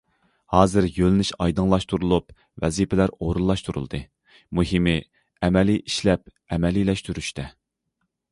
ھازىر يۆنىلىش ئايدىڭلاشتۇرۇلۇپ، ۋەزىپىلەر ئورۇنلاشتۇرۇلدى، مۇھىمى ئەمەلىي ئىشلەپ، ئەمەلىيلەشتۈرۈشتە.